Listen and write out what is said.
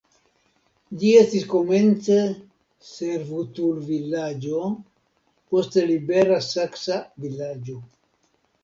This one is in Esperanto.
Ĝi estis komence servutulvilaĝo, poste libera saksa vilaĝo.